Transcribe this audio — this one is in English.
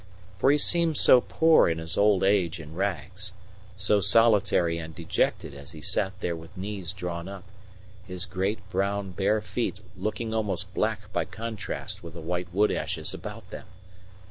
For he seemed so poor in his old age and rags, so solitary and dejected as he sat there with knees drawn up, his great, brown, bare feet looking almost black by contrast with the white wood ashes about them!